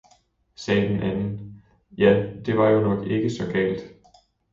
sagde den anden, ja det var jo ikke så galt!